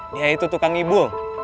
dia itu tukang ibu